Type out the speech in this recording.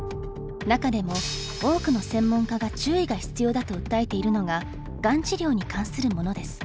中でも多くの専門家が「注意が必要だ」と訴えているのががん治療に関するものです。